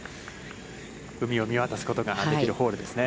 海を見渡すことができるホールですね。